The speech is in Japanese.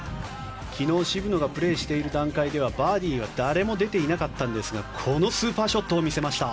昨日、渋野がプレーしている段階ではバーディーは誰も出ていなかったんですがこのスーパーショットを見せました。